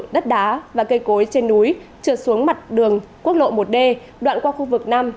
đất đá và cây cối trên núi trượt xuống mặt đường quốc lộ một d đoạn qua khu vực năm